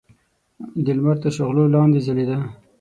د لمر تر شغلو لاندې ځلېده.